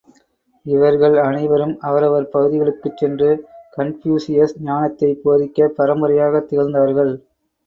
இவர்கள் அனைவரும் அவரவர் பகுதிகளுக்குச் சென்று கன்பூசியஸ் ஞானத்தைப் போதிக்க பரம்பரையாகத் திகழ்ந்தார்கள்.